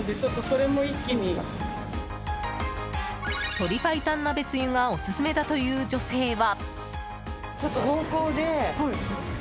鶏白湯鍋つゆがオススメだという女性は。